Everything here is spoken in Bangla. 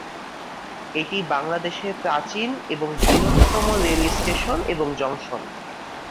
এটি বাংলাদেশের প্রাচীন এবং বৃহত্তম রেল স্টেশন এবং জংশন।